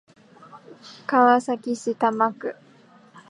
川崎市多摩区